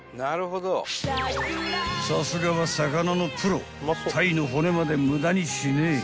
［さすがは魚のプロ鯛の骨まで無駄にしねえ］